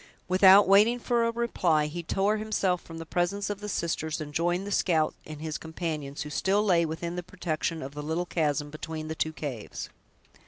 Without waiting for a reply, he tore himself from the presence of the sisters, and joined the scout and his companions, who still lay within the protection of the little chasm between the two caves.